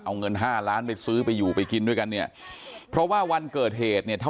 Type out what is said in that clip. เอาเงินห้าล้านไปซื้อไปอยู่ไปกินด้วยกันเนี่ยเพราะว่าวันเกิดเหตุเนี่ยเท่า